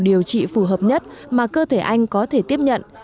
điều trị phù hợp nhất mà cơ thể anh có thể tiếp nhận